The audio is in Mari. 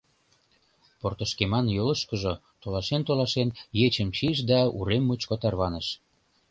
Портышкеман йолышкыжо, толашен-толашен, ечым чийыш да урем мучко тарваныш.